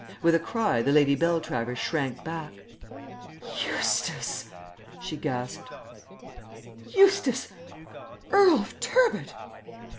With a cry the Lady Beltravers shrank back. "Eustace," she gasped "Eustace, Earl of Turbot!"